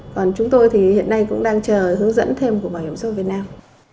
còn chúng tôi thì hiện nay cũng đang chờ hướng dẫn thêm của bảo hiểm số việt nam